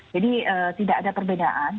jadi tidak ada perbedaan